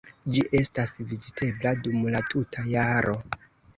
Ĝi estas vizitebla dum la tuta jaro.